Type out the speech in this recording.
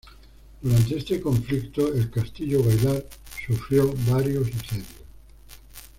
Durante este conflicto el Castillo-Gaillard sufrió varios asedios.